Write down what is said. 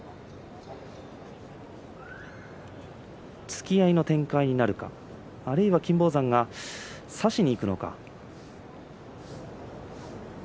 突き合いの展開になるかあるいは金峰山が差しにいくのか。